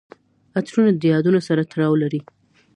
عطرونه د یادونو سره تړاو لري.